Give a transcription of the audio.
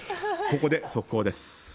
ここで速報です。